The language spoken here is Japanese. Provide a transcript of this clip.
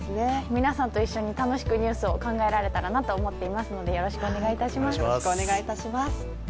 皆さんと一緒に楽しくニュースを考えられたらなと思っていますのでよろしくお願いいたします。